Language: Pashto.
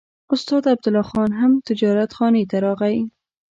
استاد عبدالله خان هم تجارتخانې ته راغی.